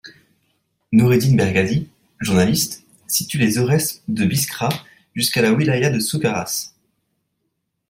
Norredine Bergadi, journaliste, situe les Aurès de Biskra jusqu’à la wilaya de Souk Ahras.